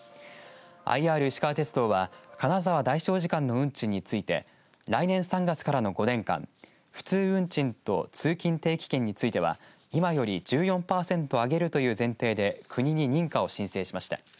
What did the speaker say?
ＩＲいしかわ鉄道は金沢、大聖寺間の運賃について来年３月からの５年間普通運賃と通勤定期券については今より１４パーセント上げるという前提で国に認可を申請しました。